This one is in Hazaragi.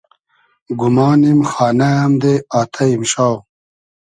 گومانیم خانۂ امدې آتݷ ایمشاو